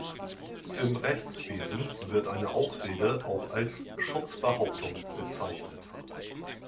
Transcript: Im Rechtswesen wird eine Ausrede auch als Schutzbehauptung bezeichnet.